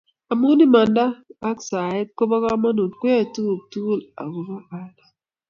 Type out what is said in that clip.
Amu imanta ak sae ko bo komonut keyoe tugul togul ak bo Allah.